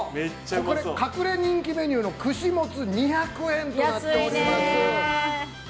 隠れ人気メニューの串モツ２００円となっております。